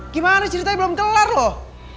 gimana ceritanya belum kelar loh